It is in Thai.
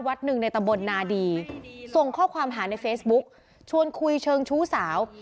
หนึ่งในตำบลนาดีส่งข้อความหาในเฟซบุ๊กชวนคุยเชิงชู้สาว